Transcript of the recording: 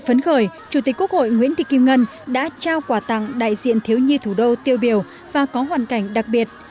phấn khởi chủ tịch quốc hội nguyễn thị kim ngân đã trao quà tặng đại diện thiếu nhi thủ đô tiêu biểu và có hoàn cảnh đặc biệt